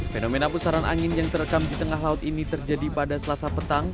fenomena pusaran angin yang terekam di tengah laut ini terjadi pada selasa petang